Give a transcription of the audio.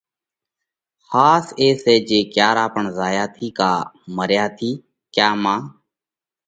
ۿاس اي سئہ جي ڪيا را پڻ زايا ٿِي ڪا مريا ٿِي ڪيا مانه